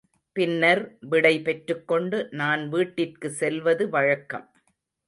பின்னர் விடை பெற்றுக்கொண்டு நான் வீட்டிற்கு செல்வது வழக்கம்.